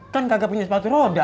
kan kagak punya sepatu roda